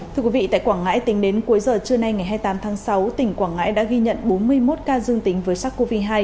thưa quý vị tại quảng ngãi tính đến cuối giờ trưa nay ngày hai mươi tám tháng sáu tỉnh quảng ngãi đã ghi nhận bốn mươi một ca dương tính với sars cov hai